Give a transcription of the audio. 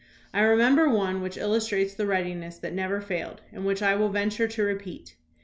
I remember one which illustrates the readiness that never failed, and which I will venture to repeat.